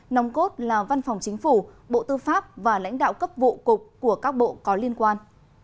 nòng cốt là văn phòng chính phủ bộ tư pháp và lãnh đạo cấp vụ cục của các bộ có liên quan